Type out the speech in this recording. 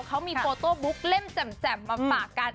เขามีโฟโต้บุ๊กเล่มแจ่มมาฝากกัน